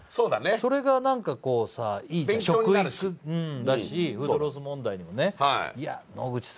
それがなんかいいじゃん、食育だし、フードロス問題にもね。